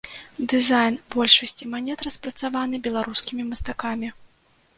Дызайн большасці манет распрацаваны беларускімі мастакамі.